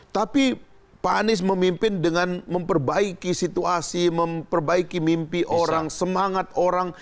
tapi pak anies memimpin dengan memperbaiki situasi memperbaiki mimpi orang semangat orang